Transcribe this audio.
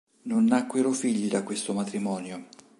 Non nacquero figli da questo matrimonio.